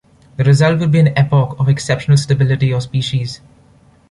The result would be an epoch of exceptional stability of species.